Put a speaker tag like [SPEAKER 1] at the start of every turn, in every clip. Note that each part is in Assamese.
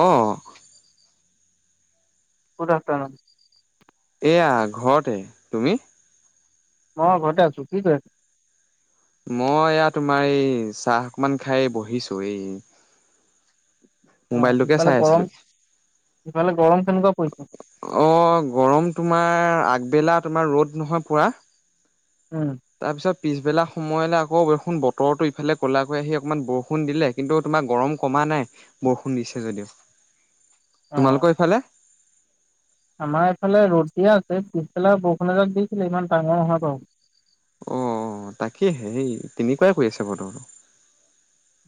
[SPEAKER 1] অঁহ।
[SPEAKER 2] Good afternoon.
[SPEAKER 1] এইয়া ঘৰতে, তুমি?
[SPEAKER 2] অ ঘতে আছো, কি কৰি আছ?
[SPEAKER 1] মই এইয়া তোমাৰ এই চাহ অকমান খাই বহিছো এই
[SPEAKER 2] অ
[SPEAKER 1] মোবাইলটোকে
[SPEAKER 2] ইফালে
[SPEAKER 1] চাই আছিলো।
[SPEAKER 2] গৰম ইফালে গৰম কেনেকুৱা পৰিছে
[SPEAKER 1] অ গৰম তোমাৰ আগবেলা তোমাৰ ৰ'দ নহয় পুৰা।
[SPEAKER 2] উম
[SPEAKER 1] তাৰপিছত পিছবেলা সময়লৈ আকৌ বৰষুন বতৰটো ইফালে ক'লাকৈ আহি অকণমান বৰষুণ দিলে, কিন্তু তোমাৰ গৰম কমা নাই বৰষুণ দিছে যদিও।
[SPEAKER 2] অ
[SPEAKER 1] তোমালোকৰ সেইফালে।
[SPEAKER 2] আমাৰ এইফালে ৰ'দ দিয়ে আছে, পিছবেলা বৰষুণ এজাক দিছিলে ইমান ডাঙৰ নহয় বাৰু।
[SPEAKER 1] অঁ তাকেই হে তেনেকুৱাই কৈ আছে বতৰ টো।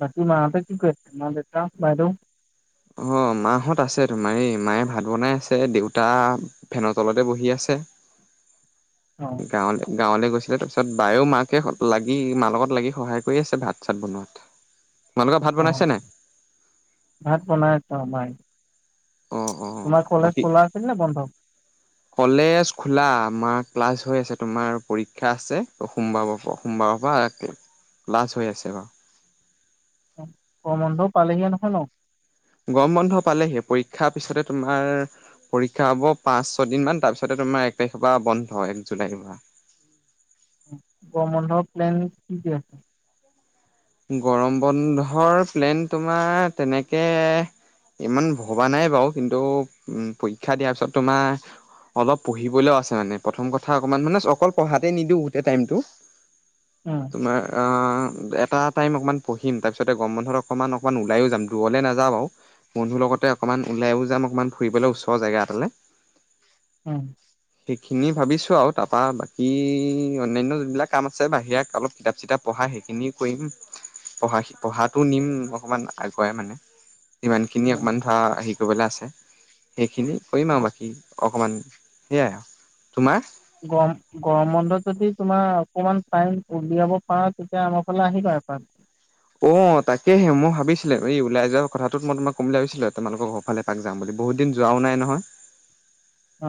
[SPEAKER 2] বাকী মা হতে কি কৰি আছে, দেউতা, বাইদেউ ।
[SPEAKER 1] অ মা হত আছে তোমাৰ এই মায়ে ভাত বনাই আছে দেউতা তা ফেনৰ তলতে বহি আছে।
[SPEAKER 2] অ
[SPEAKER 1] গাঁৱলৈ গাঁৱলৈ গৈছিলে তাৰপিছত বায়ে মাকে লাগি মা লগত লাগি সহায় কৰি আছে ভাত চাত বনোৱাত। তোমালোকৰ ভাত বনাইছে
[SPEAKER 2] অ',
[SPEAKER 1] নাই?
[SPEAKER 2] ভাত বনাই আছে মায়ে।
[SPEAKER 1] অ', অ',
[SPEAKER 2] তোমাৰ কলেজ
[SPEAKER 1] বাকী
[SPEAKER 2] খোলা আছিল নে বন্ধ।
[SPEAKER 1] কলেজ খোলা, আমাৰ ক্লাছ হৈ আছে তোমাৰ পৰীক্ষা আছে। সোমবাৰ সোমবাৰৰ পৰা ক্লাছ হৈ আছে।
[SPEAKER 2] গৰমৰ বন্ধ পালেহিয়ে নহয় ন।
[SPEAKER 1] গৰম বন্ধ পালেহি পৰীক্ষাৰ পিছতে তোমাৰ পৰীক্ষা হব। পাঁচ ছয় দিন মান তাৰ পিছতে তোমাৰ এক তাৰিখৰ পৰা বন্ধ এক জুলাইৰ পৰা
[SPEAKER 2] গৰমৰ বন্ধ প্লেন কি কি আছে?
[SPEAKER 1] গৰম বন্ধৰ প্লেন তোমাৰ তেনেকে ইমান ভবা নাই, বাৰু কিন্তু পৰীক্ষা দিয়াৰ পিছত তোমাৰ অলপ পঢ়িবলৈও আছে মানে প্ৰথম কথা অকমান মানে অকল পঢ়াতে নিদিওঁ গোটেই টাইমটো
[SPEAKER 2] উম
[SPEAKER 1] তোমাৰ আ এটা টাইম অকণমান পঢ়িম তাৰপিছতে গম বন্ধত অকণমান -অকণমান ওলাইো যাম দূৰলৈ নাযাওঁ আৰু বন্ধুৰ লগতে অকণমান ওলাইও যাম। অকণমান ফুৰিবলৈ ওচৰ জেগা এটালৈ
[SPEAKER 2] উ'ম
[SPEAKER 1] সেইখিনি ভাবিছো আৰু তাৰপা বাকী অন্যান্য যিবিলাক কাম আছে। বাহিৰা অলপ কিতাপ চিতাপ পঢ়াই সেইখিনি কৰিম। পঢ়া পঢ়াতটো নিম অকমান আগুৱাই মানে ইমান খিনি
[SPEAKER 2] উম
[SPEAKER 1] অকমান ধ শি কৰিবলে আছে সেইখিনি কৰিম আৰু
[SPEAKER 2] গ
[SPEAKER 1] বাকী। অকণমান সেয়াই আৰু তোমাৰ
[SPEAKER 2] গৰম গৰম বন্ধত যদি তোমাৰ অকমান টাইম উলিয়াব পাৰা, তেতিয়া আমাৰ ফালে আহিবা এপাক।
[SPEAKER 1] অ তাকেহে মই ভাবিছিলো এই ওলাই যোৱা কথাটোত মই তোমাক কম বুলি ভাবিছিলো। তোমালোকৰ ঘৰফালে পাক যাম বুলি বহুত দিন যোৱাও নাই নহয়।
[SPEAKER 2] অ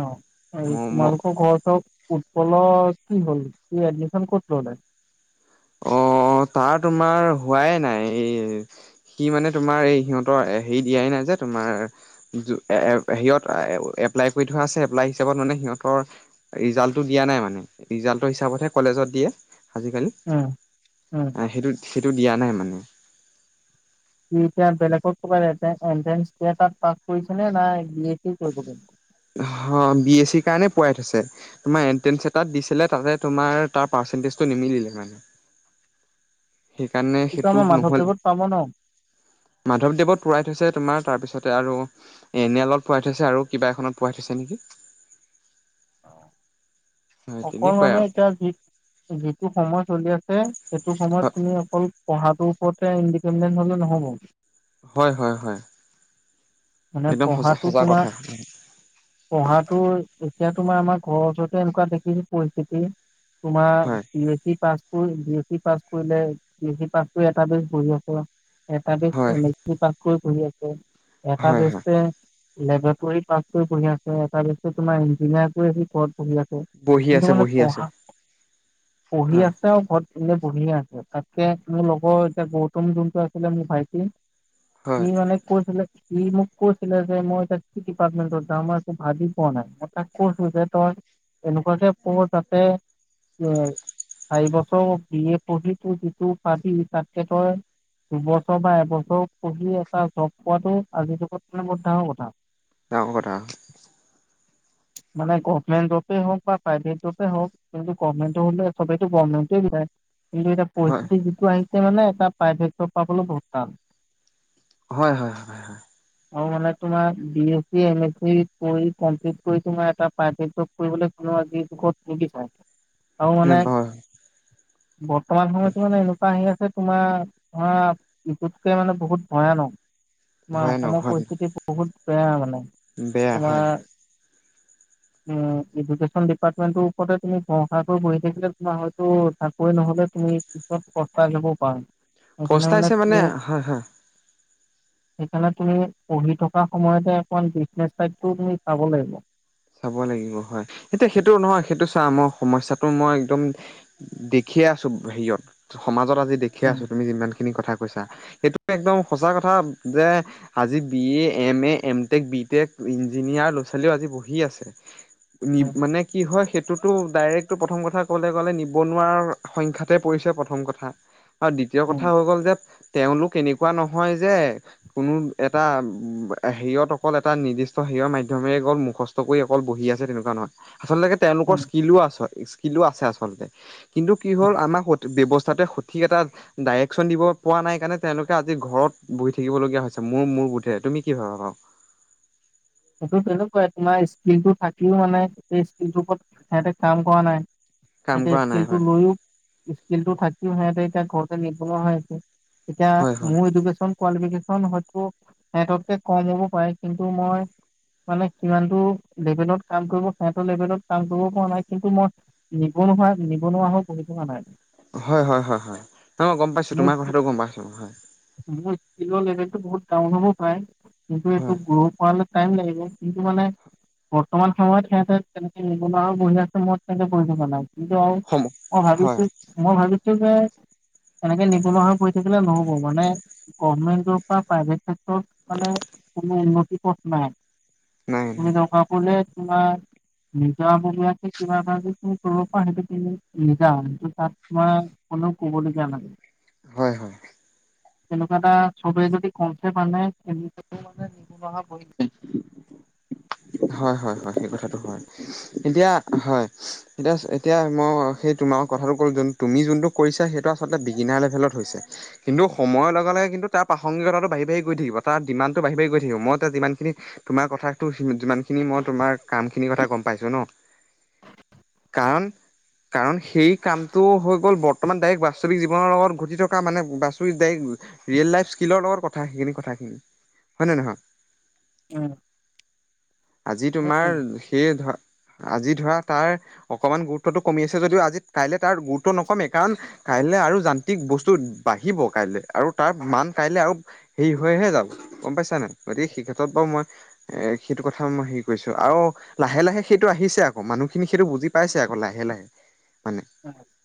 [SPEAKER 2] এই
[SPEAKER 1] মই ম
[SPEAKER 2] তোমালোকৰ ঘৰ ওচৰৰ উৎপলৰ কি হ'ল। সি এডমিশন ক'ত ললে।
[SPEAKER 1] অ', তাৰ তোমাৰ হোৱাই নাই, এই সি মানে তোমাৰ এই সিহঁতৰ হেৰি দিয়াই নাই যে তোমাৰ হত এপ্লাই কৰি থোৱা আছে। এপ্লাই হিচাপত মানে সিহঁতৰ ৰিজাল্টো দিয়া নাই মানে ৰিজাল্ট হিচাপতহে কলেজত দিয়ে। আজিকালি
[SPEAKER 2] উম, উম।
[SPEAKER 1] আহিলো [inaudible] সেইটো দিয়া নাই মানে।
[SPEAKER 2] সি এতিয়া বেলেগত কৰবাত এন্ট্ৰেন্ছ দি পাছ কৰিছে নে নাই। বি, এ, চি কৰিব সি।
[SPEAKER 1] বি এ চি কাৰণে পঢ়াই থৈছে। তোমাৰ এন্ট্ৰেন্ছ এটাত দিছিলে। তোমাৰ তাৰ পাৰ্ছেন টেষ্টতো নিমিলিলে মানে। সেইকাৰণে
[SPEAKER 2] সিটো আমাৰ
[SPEAKER 1] সেইটোত নহল
[SPEAKER 2] মাধৱদেৱত পাব ন
[SPEAKER 1] মাধৱদেৱত পুৰাই থৈছে, তোমাৰ তাৰপিছত তাতে আৰু এনে অলপ পঢ়াই থৈছে আৰু কিবা এখনত পঢ়াই থৈছে নেকি?
[SPEAKER 2] অ',
[SPEAKER 1] হয়
[SPEAKER 2] অকল
[SPEAKER 1] তেনেকুৱাই
[SPEAKER 2] মানে এতিয়া যি যিটো সময় চলি আছে। হে সেইটো সময়ত
[SPEAKER 1] আৰু
[SPEAKER 2] তুমি অকল পঢ়াত তোৰ ওৰতে ইণ্ডিপেণ্ডেণ্ হলে নহ'ব।
[SPEAKER 1] হয়, হয়
[SPEAKER 2] মানে
[SPEAKER 1] একদম
[SPEAKER 2] পঢ়াটো
[SPEAKER 1] সজা
[SPEAKER 2] তোমাৰ
[SPEAKER 1] কথা-
[SPEAKER 2] পঢ়াটো এতিয়া তোমাৰ আমাৰ ঘৰৰ ওচৰতে এনেকুৱা দেখিছ পৰিস্থিতি। তোমাৰ
[SPEAKER 1] হয়
[SPEAKER 2] ইলেটি pass B S C pass কৰিলে বি এছ পাছ কৰি এটা বেছ বঢ়িয় প এটা ব
[SPEAKER 1] হয়
[SPEAKER 2] ক কৰি আছে এটা
[SPEAKER 1] হয়
[SPEAKER 2] চাগে
[SPEAKER 1] হয়
[SPEAKER 2] পঢ়িয় আছে এটা্ত তোমাৰ ধুনীয়াকৈ সি কত পঢ়ি আছে
[SPEAKER 1] বহি
[SPEAKER 2] কিন্তু
[SPEAKER 1] আছে
[SPEAKER 2] মানে
[SPEAKER 1] বহি আছে
[SPEAKER 2] পঢ়া পঢ়ি
[SPEAKER 1] হয়
[SPEAKER 2] আছে আৰু ঘৰত বঢ়িয়া আছে তাকে মোৰ লগৰ এতিয়া গৌতম যোনটো আছিলে মোৰ ভাইটি সি
[SPEAKER 1] হয়
[SPEAKER 2] মানে কৈছিলে সি মোক কৈছিলে যে মই এতিয়া কি ডিপাৰ্টমেন্টৰ মই একো ভাবি পোৱা নাই। মই তাক কছো যে তই এনেকুৱাকে পঢ়ে, যাতে এ চাৰিবছৰ বি এ পঢ়ি তোৰ যিটো পাবি তাতকে তই দুবছৰ বা এবছৰ পঢ়ি এটা জব পোৱাটো আজিৰ যুগত মানে বহুত ডাঙৰ কথা
[SPEAKER 1] ডাঙৰ কথা
[SPEAKER 2] মানে গভমেণ্ট জবেই হওক বা প্ৰাইভেট জবে হওক কিন্ত গমেণ্ট হ'লে সবেইো গমেণ্টেই দায় কিন্তু, এতিয়া
[SPEAKER 1] হয়
[SPEAKER 2] পৰিস্থিতি যিটো আহি মানে এটা প্ৰাইভেট জব পাবলৈও বহুত টান
[SPEAKER 1] হয়, হয়, হয়।
[SPEAKER 2] অঁ মানে তোমাৰ বি এছি এম এছি কৰি কমপ্লিট তোমাৰ এটা পাৰ কৰিবলৈ কোনোিট নিবিচাৰে আৰু
[SPEAKER 1] ন
[SPEAKER 2] মানে
[SPEAKER 1] হয় হয়
[SPEAKER 2] বৰ্তমান সময়ত মানে এনেকুৱা আহি আছ মানে তোমাৰ ধৰা ইটোতকে মানে বহুত ভয়ানক। আমাৰ
[SPEAKER 1] ভয়ানক
[SPEAKER 2] অসমৰ
[SPEAKER 1] হয়
[SPEAKER 2] পৰিস্থিতি বহুত মানে-
[SPEAKER 1] বেয়া,
[SPEAKER 2] তোমাৰ
[SPEAKER 1] হয়।
[SPEAKER 2] এডুকেশ্যন ডিপাৰ্টমেন্টৰ ওপৰতে তুমি পৰষাটো বহি থাকিলে তোমাৰ হয়তো চাকৰি নহলে তুমি পিছত কষ্টা আহিবও পৰা
[SPEAKER 1] পস্তাইছে মানে হা হা
[SPEAKER 2] সেইকাৰণে তুমি পঢ়ি থকা সময়তে অকমান বিজনেচ চাইডো তুমি চাব লাগিব [inaudible]
[SPEAKER 1] চাব লাগিব হয়, এতিয়া সেইটো নহয় সেইটো চা মই সমস্যাটো মই একদম দেখিয়ে আছো হেৰিয়ত সমাজত আ যি দেখি
[SPEAKER 2] উম
[SPEAKER 1] আছো তুমি যিমান সেইখিনি কথা কৈছা সেইটো একদম সঁচা কথা যে আজি B A M A M tech B tech engineer ল'ৰা ছোৱালীও আজি বহুত আছে নিব,
[SPEAKER 2] উম
[SPEAKER 1] মানে কি হয় সেইটো [unintelligible] তো ডাইৰেক্টটো প্ৰথম কথা ক'বলে গ'লে নিবনুৱাৰ সংখ্যাতে পৰিছে প্ৰথম কথা। আৰু দ্বিতীয়
[SPEAKER 2] উম
[SPEAKER 1] কথা হৈ গ'ল যে তেওঁলোক এনেকুৱা নহয় যে কোনো এটা হেৰিয়ত অকল এটা নিৰ্দিষ্ট হেৰিয়ৰ মাধ্যমেও গ'ল মুখস্থ [unintelligible] অকল বহি আছে তেনেকুৱা নহয়। আচলতে তেওঁলোকৰ
[SPEAKER 2] উম
[SPEAKER 1] স্কিলো আছে কিলো আছে আচলতে। কিন্তু, কি হ'ল
[SPEAKER 2] উম।
[SPEAKER 1] আমাক স ব্যৱস্থা সঠিক এটা ডাইৰেকশন দিব পোৱা নাই কাৰণে তেওঁলোকে আজি ঘৰত বহি থাকিবলগীয়া হৈছে, মোৰ মোৰ বোধেৰে তুমি কি ভাবা বাৰু?
[SPEAKER 2] সেইটো তেনেকুৱাই তোমাৰ স্কিলটো থাকিও মানে স স্কিলটোৰ ওপৰত সিহঁতে কাম কৰা নাই।
[SPEAKER 1] কাম
[SPEAKER 2] এতে
[SPEAKER 1] কৰা নাই
[SPEAKER 2] স্কিলটো
[SPEAKER 1] হয়
[SPEAKER 2] লৈও জতিটো থাকিম সিহঁতে এতিয়া ঘৰতে নিবনুৱা হৈ আছে। এতিয়া
[SPEAKER 1] হয় হয়
[SPEAKER 2] মোৰ এডোকেচন কোলিফিকেচন হয়তো সেহেতত কে কম হ'ব পাৰে কিন্তু মই মানে কিমানটো লেভেলত কাম কৰিব সেহটো লেভেলত কাম কৰিব পৰা নাই কিন্তু মই নিবনুৱা হৈ নিবনুৱা হৈ বহি থকা নাই।
[SPEAKER 1] হয়, হয়, হয়, হয়, হয়, মই গম পাইছোঁ
[SPEAKER 2] মোৰ
[SPEAKER 1] তোমাৰ কথাটো গম পাইছোঁ।
[SPEAKER 2] কিলো লেবেলটো বহত ডাউন হ'ব পায় কিন্তু এইটো
[SPEAKER 1] হয়
[SPEAKER 2] গৰুৰ পাল টাইম লাগিব, কিন্তু মানে বৰ্তমান সময়ত সিহঁতে তেনেকে নিবনুৱা আৰু সময়ত সিহঁতে কৰি থকা নাই। কিন্তু, আৰু,
[SPEAKER 1] সম
[SPEAKER 2] মই
[SPEAKER 1] হয়
[SPEAKER 2] ভাবিছো, মই ভাবি চুগাৰ। এনেকে নিবনুৱা হৈ পৰি থাকিলে নহ। মানে গভমেন্টৰ পৰা প্ৰাইভেট চেক্টৰত মানে কোনো উন্নতিৰ পথ ন।
[SPEAKER 1] নাই
[SPEAKER 2] [unintelligible]
[SPEAKER 1] নাই
[SPEAKER 2] তোমাৰ নিজাবীয়াকে কিবা এ যদি তুমি কৰিব সেইটো নিজা তাত তোমাৰ কোনেও কবলগীয়া নাই।
[SPEAKER 1] হয়, হয়।
[SPEAKER 2] তেনেকুৱা এটা চবে যদি কমছেপ আনে তে মানে নিব অহা বহ। [unintelligible]
[SPEAKER 1] হয়, হয়, হয়, সেই কথাটো হয়, এতিয়া হয়, এতিয়া এতিয়া মই সেই তোমাৰ কথাটো ক'লো তুমি যোনটো কৰিছা সেইটো আচলতে বিগিনাৰ লেভেলত হৈছে কিন্তু সময়ৰ লগে লগে কিন্তু তাৰ প্ৰাসংগিকতাটো বঢ়ি বাঢ়ি গৈ থাকিব, তাৰ ডিমাণ্ডটো বাঢ়ি বাঢ়ি গৈ থাকিব, মই এতিয়া যিমানখিনি তোমাৰ কথা যিমানখিনি মই তোমাৰ কামখিনিৰ কথা গম পাইছো ন কাৰণ কাৰণ সেই কামটো হৈ গ'ল বৰ্তমান ডাইৰেক্ বাস্তৱিক জীৱনৰ লগত ঘটি থকা মানে বাস্তৱিকৰে্ ৰিয়েল লাইফ স্কিলৰ লগত কথা সেইখিনি কথাখিনি হয় নহয় নহয়।
[SPEAKER 2] উম।
[SPEAKER 1] আজি
[SPEAKER 2] সেইটোৱে
[SPEAKER 1] তোমাৰ সেই ধ আজি ধৰা তাৰ অকমান গুৰুত্বটো কমি আছে যদিও আজি কাইলে তাৰ গুৰুত্ব নকমেই কাৰণ কাইলৈ আৰু যান্ত্ৰিক বস্তু বাঢ়িব কাইলৈ আৰু তাৰ মান কাইলৈ আৰু হেৰি হৈহে যাব। গম পাইছ নাই, গতিকে সেই ক্ষেত্ৰত বাৰু মই এ' সেইটো কথাও মই হেৰি কৰিছো, আৰু লাহে লাহে সেইটো আহিছে আকৌ, মানুহখিনি সেইটো বুজি পাইছে আকৌ লাহে লাহে। মানে
[SPEAKER 2] তাৰ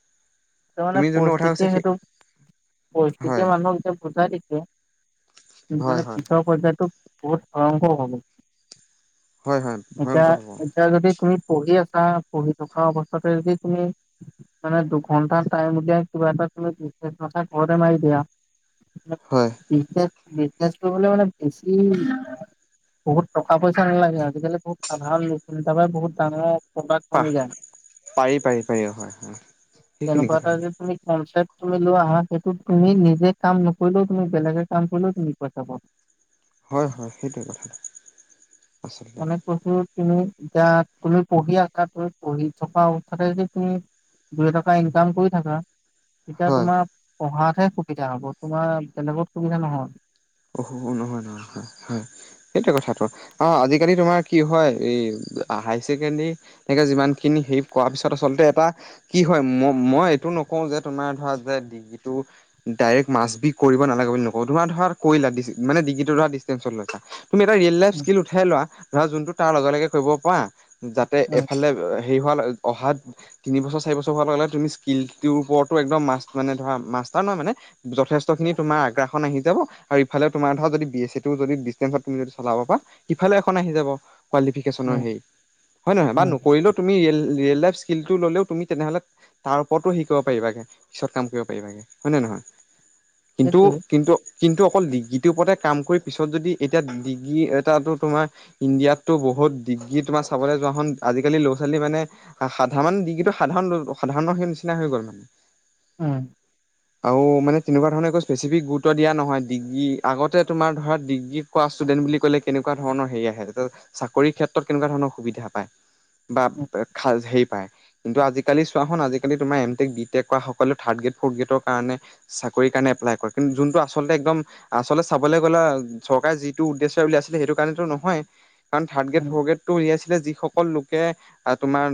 [SPEAKER 2] মানে
[SPEAKER 1] তুমি যোনটো কথা কৈছা
[SPEAKER 2] পৰিস্থিতিয়ে
[SPEAKER 1] সেই
[SPEAKER 2] সেইটো
[SPEAKER 1] হয়
[SPEAKER 2] পৰিস্থিতিয়ে মানুহক যেন বুজাই দিছে। কি
[SPEAKER 1] হয়
[SPEAKER 2] মানে
[SPEAKER 1] হয়
[SPEAKER 2] পিছৰ পৰ্যায়তো [unintelligible]
[SPEAKER 1] হয় হয়
[SPEAKER 2] ইটা,
[SPEAKER 1] ভয়ংকৰ হ'ব
[SPEAKER 2] ইটা যদি তুমি পঢ়ি আছা, পঢ়ি থকা অৱস্থাতে যদি তুমি মানে দু ঘণ্টা টাইম উলিয়াই কিবা এটা তুমি [unintelligible] ঘৰতে মাৰি দিয়া
[SPEAKER 1] হয়
[SPEAKER 2] [unintelligible] বিজনেচ কৰিবলে মানে বেছি বহুত টকা পইচা নালাগে আজিকালি বহুত সাধাৰণ ল তাৰ পৰা বহুত ডাঙৰ প্ৰডাক্ট
[SPEAKER 1] পাহ,
[SPEAKER 2] বনি যায়।
[SPEAKER 1] পাৰি, পাৰি, পাৰি, অ', হয়, হয়
[SPEAKER 2] এনেকুৱা
[SPEAKER 1] কথা
[SPEAKER 2] এটা যে তুমি কম পইচা তুমি লোৱা আহা, সেইটো তুমি নিজে কাম নকৰিলেও তুমি বেলেগে কাম কৰিলেও তুমি পইচা পা
[SPEAKER 1] হয় হয় সেইটোৱে কথাটো আচলতে
[SPEAKER 2] অনেক বসু তুমি এতিয়া তুমি পঢ়ি আছা তুমি পঢ়ি থকা অৱস্থাতে যদি তুমি দুই এটকা ইনকাম কৰি থাকা এতিয়া
[SPEAKER 1] হয়
[SPEAKER 2] তোমাৰ পঢ়া সুবিধা হ'ব তোমাৰ বেলেগত সুবিধা নহয়
[SPEAKER 1] অ নহয় নহয় হয় সেইটো। কথাটো অ আজিকালি তোমাৰ কি হয় এই হাই ছেকেণ্ডৰীকে যিমানখিনি হে কৰ পিছত আচলতে এটা কি হয় ম মই এইটো নকওঁ যে তোমাৰ ধৰা যে ডিগ্ৰীটো ডাইৰেক্ট মাছ বি কৰিব নালাগে বুলি নকওঁ তোমাৰ ধৰা কৰিলা মানে ডিগ্ৰীেটো ধৰা ডিচটেন্সট লৈছা তুমি এটা ৰিয়েল লাইফ
[SPEAKER 2] উম,
[SPEAKER 1] স্কিল উঠাই লোৱা ধৰা যোনটো তাৰ লগে লগে কৰিব পৰা । যাতে
[SPEAKER 2] উম,
[SPEAKER 1] এফালে হেৰি হোৱা অহাত তিনিবছৰ চাৰি বছৰ হ তুমি স্কিল টোৰ ওপৰত মা নহয় মানে যথেষ্ট খিনি তোমাৰ আগ্ৰাসন আহি যাব তোমাৰ ধৰা যদি বি এছ চি তুমি যদি ডিচটেন্সট চলাব পা সিফালে এখন আহি যাব কোৱালিফিকেচনৰ
[SPEAKER 2] উম,
[SPEAKER 1] হেৰি হয় নহয় বা
[SPEAKER 2] উম,
[SPEAKER 1] নকৰিলেও তুমি ৰিয়েল লাইফ স্কিলটো ল'লেও তুমি তেনেহলে তাৰ ওপৰতো হেৰি কৰিব পাৰিবাগে পিছত কাম কৰিব পাৰিবাগে হয়ে নে নহয় । কিন্তু
[SPEAKER 2] সেইটোৱে
[SPEAKER 1] কিন্তু কিন্তু অকল ডিগ্ৰীটোৰ ওপতে কাম কৰি পিছত যদি এতিয়া ডিগ্ৰী এটাটো তোমাৰ ইণ্ডিয়াতো বহুত ডিগ্ৰী তোমাৰ চাবলৈ যোৱা হ' আজিকালি লৈ ল ছোৱালী মানে সাধাৰণ ডিগ্ৰীটো সাধাৰণ সাধাৰণৰ সেই নিচিনা হৈ গল মানে
[SPEAKER 2] উম
[SPEAKER 1] আৰু মানে তেনেকুৱা ধৰণে একো স্পেচিফিক গুৰুত্ব দিয়া নহয় ডিগ্ৰী আগতে তোমাৰ ধৰা ডিগ্ৰী কৰা ষ্টুডেণ্ট বুলি কলে কেনেকুৱা ধৰণৰ হেৰি আহে চাকৰিৰ ক্ষেত্ৰত কেনেকুৱা ধৰণৰ সুবিধা পায় বা
[SPEAKER 2] উম,
[SPEAKER 1] খ সেই কিন্তু আজিকালি চোৱাসোন আজিকালি তোমাৰ এম টেক বি টেক কৰা সকলে থাৰ্ড গ্ৰেড ফৰ্দ গ্ৰেডৰ কাৰণে চাকৰি কাৰণে এপ্লাই কৰে কিন্তু যোনটো আচলতে একদম আচল চাবলৈ গ'লা চৰকাৰে যিটো উদ্দেশ্যয় উলিয়াইছিলে সেইটো কাৰণটো নহয় কাৰণ third grade
[SPEAKER 2] um,
[SPEAKER 1] fourth grade টো উলিয়াই যিসকল লোকে আহ তোমাৰ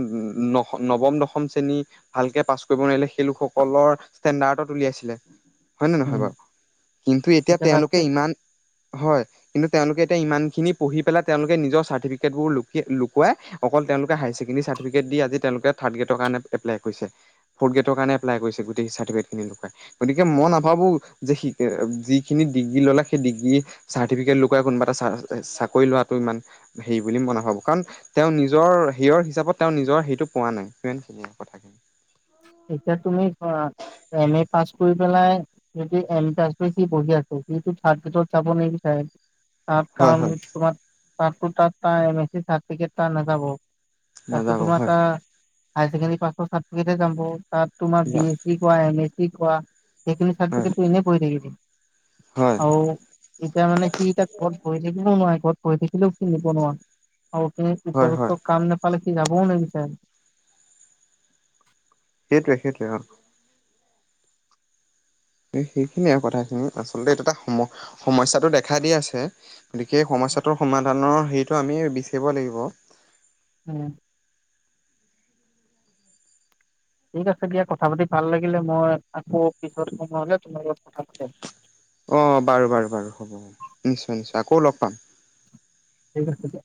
[SPEAKER 1] নৱম দশম শ্ৰেণী ভালকে পাছ কৰিব নোৱাৰিলে সেই লোকসকলৰ ষ্টেণ্ডাৰ্ডত উলিয়াইছিলে হয় নে নহয়
[SPEAKER 2] উম,
[SPEAKER 1] বাৰু কিন্তু এ এতিয়া তেওঁলোকে ইমান হয় কিন্তু তেওঁলোকে এতিয়া ইমানখিনি পঢ়ি পেলাই তেওঁলোকে নিজৰ চাৰ্টিফিকেট লুকুৱাই অকল তেওঁ হায়াৰছেকেনলোকে দি আজি তেওঁলোকে থাট খেল আৰু ফ উৰ এপছেটফাই গতিকে মই নাভাৱো যে যিখিনি ডিগ্ৰী ললে সেই ডিগ্ৰী চাৰ্টিফিকেট লুকুৱাই কোনোবা এটা চা চাকৰি লোৱাটো ইমান হেৰি বুলি মই নাভাবো কাৰণ তেওঁ নিজৰ হেৰিয়ৰ হিচাপত তেওঁ নিজৰ হেইটো পোৱা নাই সিমানখিনিয়ে আৰু কথাখিনি ।
[SPEAKER 2] এতিয়া তুমি এম এ পাছ কৰি পেলাই যদি এম ফ্ৰাইতো সি পঢ়ি আছৈসিটো থড গেদত য়াব আপ
[SPEAKER 1] হয়
[SPEAKER 2] কাম
[SPEAKER 1] হয়
[SPEAKER 2] তোমাক তাতো তাত এম এচি চাৰ্টিফিকেট ত নাযাব তাতো
[SPEAKER 1] নাযাব
[SPEAKER 2] তোমাৰ
[SPEAKER 1] হয়
[SPEAKER 2] তাত হায়চেকেনদি পাছ থাদ [unintelligible] তাত তোমাৰ বি এছ চি কৰা এম এচ চি কি কোৱা? সেইখিনি থাদ বকেত
[SPEAKER 1] হয়
[SPEAKER 2] কৰি এনেই পঢ়ি থাকি দি
[SPEAKER 1] হয়
[SPEAKER 2] আৰু এতিয়া মানে কি এতিয়া ঘৰত বহি থাকিলও নোৱাৰি ঘৰত পঢ়ি থাকিলেও একো নহয় আৰু সেই
[SPEAKER 1] হয় হয়
[SPEAKER 2] উপযুক্ত কাম নে এইফালে সি যাবও নিবিচাই
[SPEAKER 1] সেইটোৱে সেইটোৱে অহ সেইখিনিয়ে আৰু কথাখিনি আচলতে এইটো এটা সমস্যয়াটো দেখা দি আছে । সেই সমস্যাটোৰ সমাধানৰ সেইটো আমি বিচাৰিব লাগিব
[SPEAKER 2] উম । ঠিক আছে দিয়া কথা পাতি ভাল লাগিলে মই আকৌ পিছত সময় হলে তোমাৰ লগত কথা পাতিম।
[SPEAKER 1] অ বাৰু বাৰু বাৰু নিশ্চয় নিশ্চয় আকৌ লগ পাম
[SPEAKER 2] সেনেকে